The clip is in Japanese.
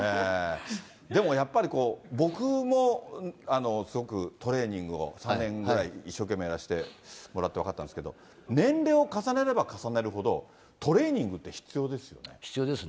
でもやっぱり、僕もすごくトレーニングを、３年ぐらい一生懸命やらしてもらって分かったんですけど、年齢を重ねれば重ねるほど、必要ですね。